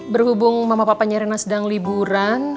berhubung mama papanya rena sedang liburan